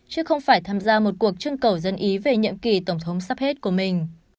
chứ không phải tham gia một cuộc trưng cầu dân ý về nhiệm kỳ tổng thống sắp hết của mình